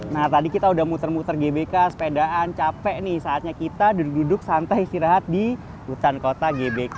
nah tadi kita udah muter muter gbk sepedaan capek nih saatnya kita duduk duduk santai istirahat di hutan kota gbk